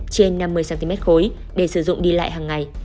trên năm mươi cm khối để sử dụng đi lại hàng ngày